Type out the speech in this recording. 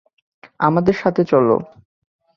আমাদের সাথে চলো!